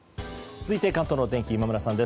続いて関東のお天気今村さんです。